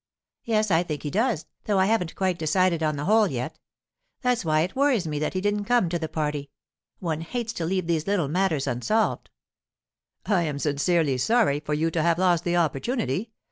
'Yes, I think he does, though I haven't quite decided on the hole yet. That's why it worries me that he didn't come to the party. One hates to leave these little matters unsolved.' 'I am sincerely sorry for you to have lost the opportunity.